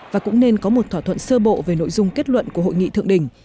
và cũng nên có một thỏa thuận sơ bộ về nội dung kết luận của hội nghị thượng đỉnh